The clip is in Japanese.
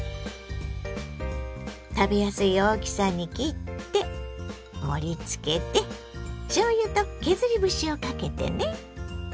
食べやすい大きさに切って盛りつけてしょうゆと削り節をかけてね。